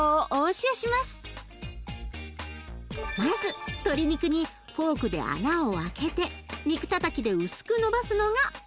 まず鶏肉にフォークで穴を開けて肉たたきで薄くのばすのがポイント。